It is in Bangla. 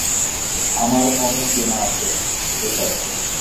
আমার অনেক দেনা ওর কাছে।